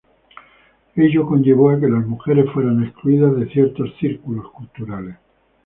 Ello conllevó a que las mujeres fueran excluidas de ciertos círculos culturales.